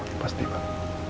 ya pasti pak